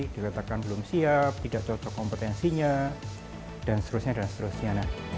diletakkan belum siap tidak cocok kompetensinya dan seterusnya